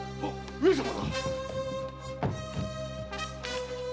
上様だっ‼